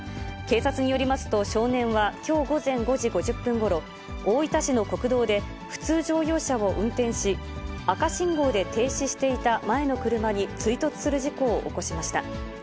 警察によりますと、少年はきょう午前５時５０分ごろ、大分市の国道で、普通乗用車を運転し、赤信号で停止していた前の車に追突する事故を起こしました。